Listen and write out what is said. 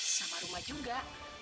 sama rumah juga